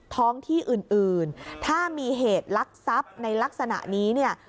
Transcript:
ท้องที่อื่นถ้ามีเหตุลักษัพในลักษณะนี้เนี่ย